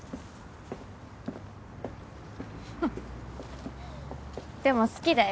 ふっでも好きだよ